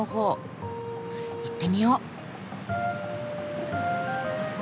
行ってみよう。